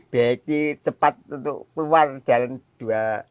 beki cepat untuk keluar jalan dua